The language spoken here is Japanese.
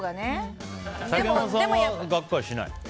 竹山さんはがっかりしない？